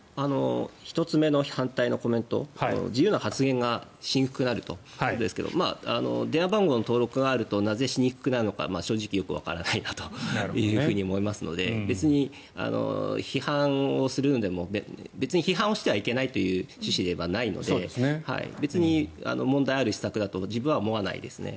１つ目の反対のコメント自由な発言がしにくくなるということですが電話番号の登録があるとなぜしにくくなるのか正直よくわからないなと思いますので批判をするのでも別に批判してはいけないという趣旨ではないので別に問題ある施策だとは僕は思わないですね。